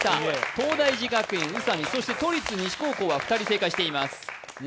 東大寺学園３人、都立西高校は２人正解しています。